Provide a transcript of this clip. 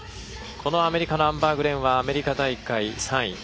アメリカのアンバー・グレンはアメリカ大会３位。